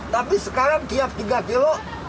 tapi sekarang tiap tiga kilo